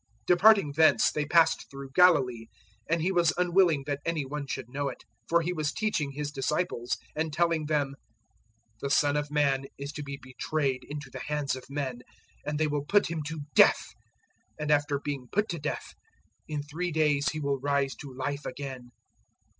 009:030 Departing thence they passed through Galilee, and He was unwilling that any one should know it; 009:031 for He was teaching His disciples, and telling them, "The Son of Man is to be betrayed into the hands of men, and they will put Him to death; and after being put to death, in three days He will rise to life again."